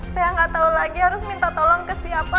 saya gak tau lagi harus minta tolong ke siapa